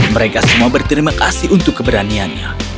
mereka semua berterima kasih untuk keberaniannya